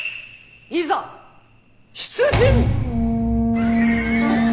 いざ出陣！